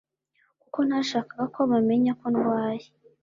kuko ntashakaga ko bamenya ko ndwaye